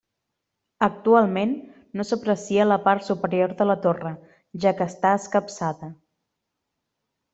Actualment no s'aprecia la part superior de la torre, ja que està escapçada.